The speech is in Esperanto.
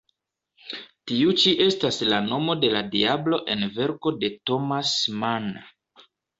Tiu ĉi estas la nomo de la diablo en verko de Thomas Mann.